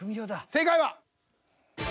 正解は。